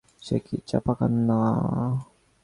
সে কি চাপা কান্না?